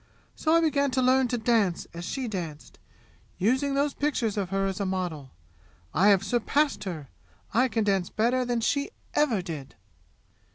So I began to learn to dance as she danced, using those pictures of her as a model. I have surpassed her! I can dance better than she ever did!